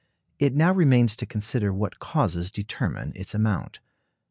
It now remains to consider what causes determine its amount.